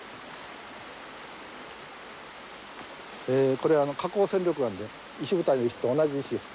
これ花崗閃緑岩で石舞台の石と同じ石です。